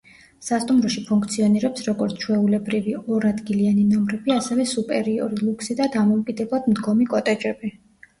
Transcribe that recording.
სასტუმროში ფუნქციონირებს, როგორც ჩვეულებრივი ორ ადგილიანი ნომრები, ასევე სუპერიორი, ლუქსი და დამოუკიდებლად მდგომი კოტეჯები.